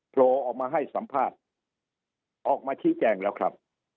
โผล่ออกมาให้สัมภาษณ์ออกมาชี้แจงแล้วครับ